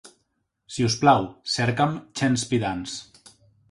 Si us plau, cerca'm Chance Pe Dance.